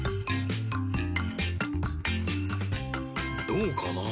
どうかな？